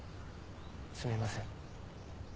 すみません。